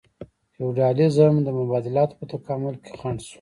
فیوډالیزم د مبادلاتو په تکامل کې خنډ شو.